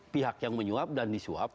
pihak yang menyuap dan disuap